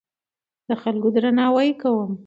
د خلکو درناوی کوم.